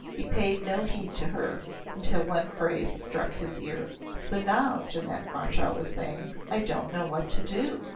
He paid no heed to her, until one phrase struck his ear. "So now," Jeannette Marechal was saying, "I don't know what to do.